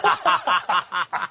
ハハハハハ！